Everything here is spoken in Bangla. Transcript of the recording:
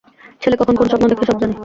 ছেলে কখন কোন স্বপ্ন দেখে, সব জানি।